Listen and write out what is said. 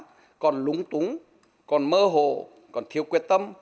cổ phần hóa còn lúng túng còn mơ hồ còn thiếu quyết tâm